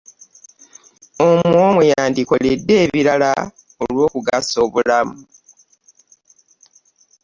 Omwo mwe yandikoledde ebirala olw'okugasa obulamu.